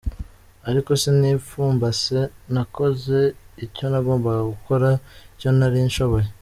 Ariko sinipfumbase nakoze icyo nagombaga gukora, icyo nari nshoboye.